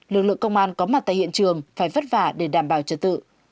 lực lượng công an có mặt tại hiện trường phải vất vả để đảm bảo trật tự